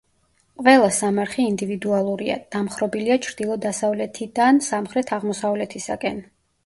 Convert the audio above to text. ყველა სამარხი ინდივიდუალურია, დამხრობილია ჩრდილო-დასავლეთითან სამხრეთ-აღმოსავლეთისაკენ.